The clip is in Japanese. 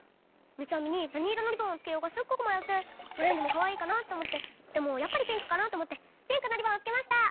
みつあみになにいろのリボンをつけようかすっごくまよってオレンジもかわいいかなっておもってでもやっぱりピンクかなっておもってピンクのリボンをつけました。